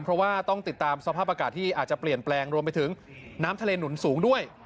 เพราะว่าต้องติดตามสภาพอากาศที่อาจจะเปลี่ยนแปลงรวมไปถึงน้ำทะเลหนุนสูงด้วย